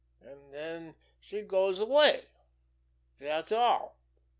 An' den she goes away. Dat's all!"